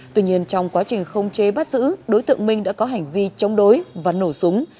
tuy nhiên trong quá trình không chế bắt giữ đối tượng minh đã có hành vi chống đối và nổ súng